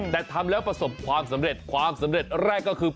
แต่ทำแล้วประสบความสำเร็จความสำเร็จแรกก็คือ